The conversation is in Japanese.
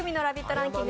ランキング